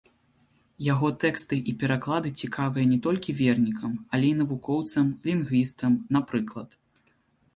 Яго тэксты і пераклады цікавыя не толькі вернікам, але і навукоўцам, лінгвістам, напрыклад.